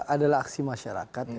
adalah aksi masyarakat